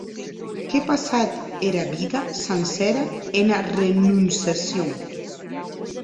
Qu’è passat era vida sancera ena renonciacion!